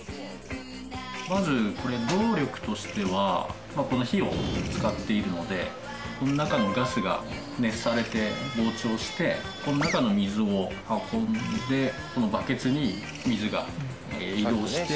まずこれ動力としては火を使っているのでこの中のガスが熱されて膨張してこの中の水を運んでこのバケツに水が移動して。